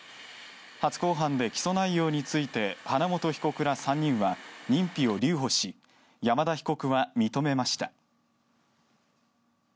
初公判で起訴内容について花本被告ら３人は認否を留保し山田被告は認めました。